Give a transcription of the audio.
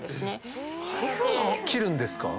切るんですか？